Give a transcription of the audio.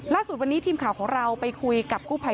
ล่าสุดวันนี้ทีมข่าวของเราไปคุยกับกู้ภัย